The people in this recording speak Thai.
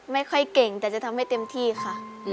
ไม่ค่อยเก่งแต่จะทำให้เต็มที่ค่ะ